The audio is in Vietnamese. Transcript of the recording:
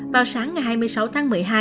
vào sáng ngày hai mươi sáu tháng một mươi hai